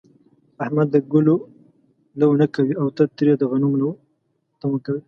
احمد د گلو لو نه کوي، او ته ترې د غنمو لو تمه کوې.